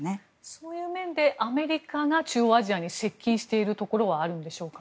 そういう面でアメリカが中央アジアに接近しているところがあるんでしょうか。